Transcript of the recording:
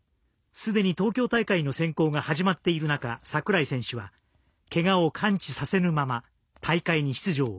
すでに東京大会の選考が始まっている中櫻井選手はけがを感じさせぬまま大会に出場。